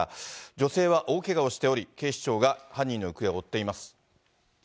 女性は大けがをしており、警視庁が犯人の行方を追っています。